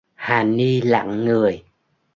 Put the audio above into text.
Hà Ni lặng người